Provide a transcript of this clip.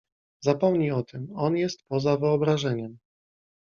"Zapomnij o tym. On jest poza wyobrażeniem."